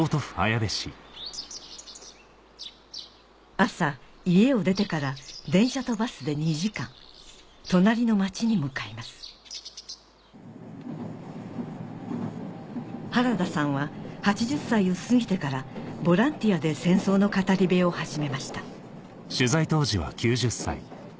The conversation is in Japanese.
朝家を出てから電車とバスで２時間隣の町に向かいます原田さんは８０歳を過ぎてからボランティアで戦争の語り部を始めました